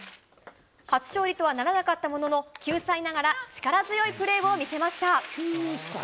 初勝利とはならなかったものの、９歳ながら、力強いプレーを見せました。